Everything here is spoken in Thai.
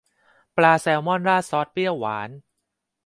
ปลาแซลมอนราดซอสเปรี้ยวหวาน